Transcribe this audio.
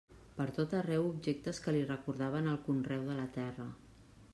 Pertot arreu objectes que li recordaven el conreu de la terra.